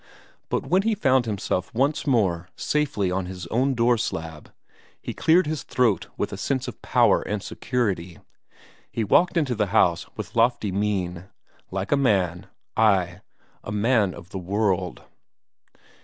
But when he found himself once more safely on his own door slab, he cleared his throat with a sense of power and security; he walked into the house with lofty mien, like a man ay, a man of the world.